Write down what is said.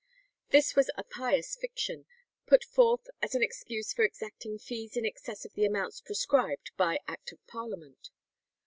This was a pious fiction, put forth as an excuse for exacting fees in excess of the amounts prescribed by act of Parliament.